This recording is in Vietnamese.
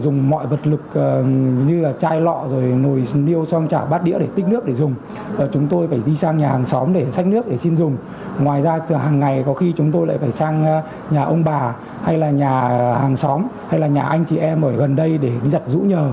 ngoài ra hàng ngày có khi chúng tôi lại phải sang nhà ông bà hay là nhà hàng xóm hay là nhà anh chị em ở gần đây để giặt rũ nhờ